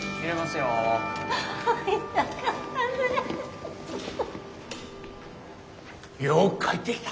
よう帰ってきた！